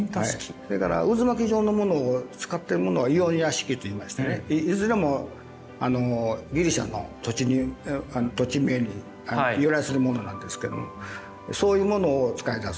それから渦巻き状のものを使っているものはイオニア式といいましてねいずれもギリシャの土地名に由来するものなんですけどもそういうものを使いだす。